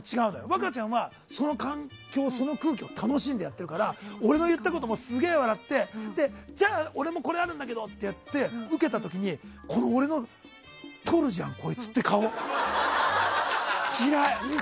若ちゃんはその空気を楽しんでやってるから俺の言ったこともすごい笑ってじゃあ、俺もこれあるんだけどってやってウケた時に俺の、撮るじゃん、こいつって顔あれ、嫌い！